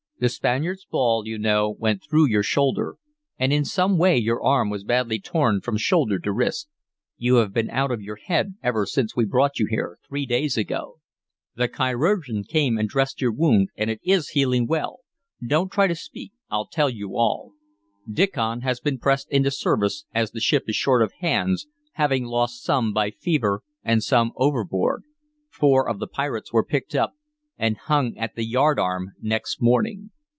"The Spaniard's ball, you know, went through your shoulder, and in some way your arm was badly torn from shoulder to wrist. You have been out of your head ever since we were brought here, three days ago. The chirurgeon came and dressed your wound, and it is healing well. Don't try to speak, I'll tell you all. Diccon has been pressed into service, as the ship is short of hands, having lost some by fever and some overboard. Four of the pirates were picked up, and hung at the yardarm next morning."